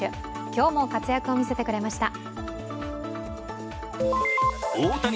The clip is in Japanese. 今日も活躍を見せてくれました。